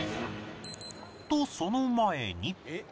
とその前に